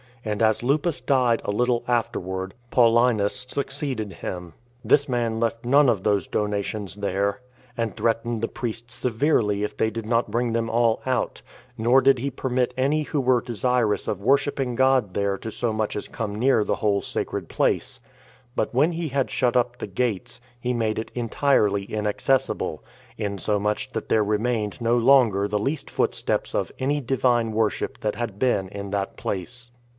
And as Lupus died a little afterward, Paulinus succeeded him. This man left none of those donations there, and threatened the priests severely if they did not bring them all out; nor did he permit any who were desirous of worshipping God there so much as to come near the whole sacred place; but when he had shut up the gates, he made it entirely inaccessible, insomuch that there remained no longer the least footsteps of any Divine worship that had been in that place.